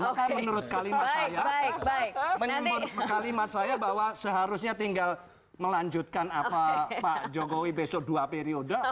maka menurut kalimat saya bahwa seharusnya tinggal melanjutkan pak jogowi besok dua periode